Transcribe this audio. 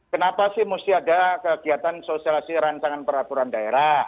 kenapa sih mesti ada kegiatan sosialisasi rancangan peraturan daerah